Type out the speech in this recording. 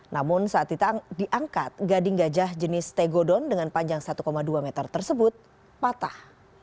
namun saat diangkat gading gajah jenis tegodon dengan panjang satu dua meter tersebut patah